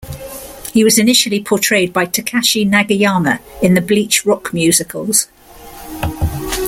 He was initially portrayed by Takashi Nagayama in the "Bleach" rock musicals.